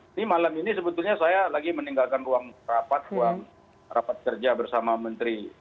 ini malam ini sebetulnya saya lagi meninggalkan ruang rapat ruang rapat kerja bersama menteri